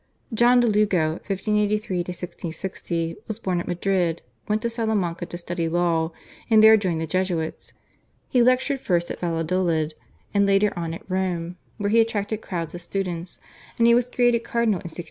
/John de Lugo/ (1583 1660) was born at Madrid, went to Salamanca to study law, and there joined the Jesuits. He lectured first at Valladolid, and later on at Rome where he attracted crowds of students, and he was created cardinal in 1643.